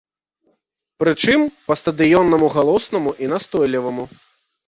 Пры чым, па-стадыённаму галоснаму і настойліваму.